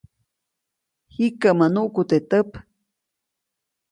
Jikäʼmä nuʼku teʼ täp.